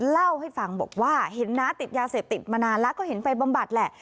เล่าให้ฟังบอกว่าเห็นน้าติดยาเสพติดมานานแล้วก็เห็นไปบำบัดแหละ